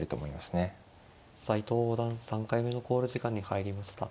斎藤五段３回目の考慮時間に入りました。